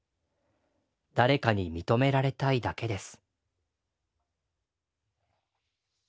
誰かに認められたいだけです」。